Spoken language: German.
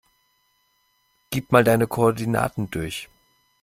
Gib mal deine Koordinaten durch.